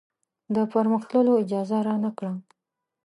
د پرمخ تللو اجازه رانه کړه.